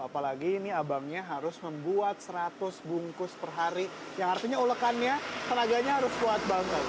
apalagi ini abangnya harus membuat seratus bungkus per hari yang artinya ulekannya tenaganya harus kuat banget